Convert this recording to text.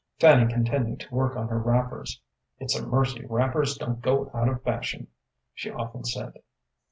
Fanny continued to work on her wrappers. "It's a mercy wrappers don't go out of fashion," she often said.